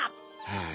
ああ。